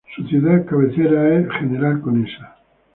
Su ciudad cabecera es General Conesa.